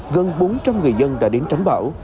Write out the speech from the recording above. gần bốn trăm linh người dân đã đến tránh bão